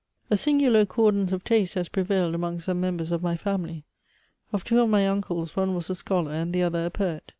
A singular accordance of taste has prevailed among some mem bers of my family. Of two of my uncles, one was a scholar and the other a poet.